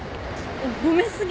褒め過ぎ。